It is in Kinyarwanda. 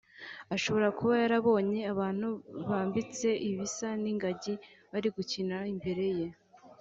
Ashobora kuba yarabonye abantu bambitse ibisa n’ingagi bari gukinira imbere ye